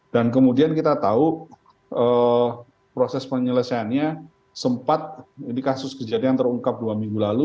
dan kemudian kita tahu proses penyelesaiannya sempat ini kasus kejadian yang terungkap dua minggu lalu